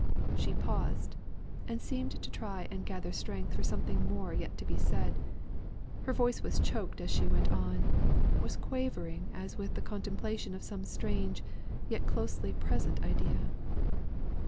She paused, and seemed to try and gather strength for something more yet to be said. Her voice was choked as she went on was quavering as with the contemplation of some strange, yet closely present idea.